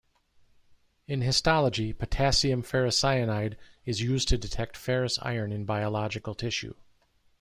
In histology, potassium ferricyanide is used to detect ferrous iron in biological tissue.